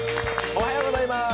おはようございます！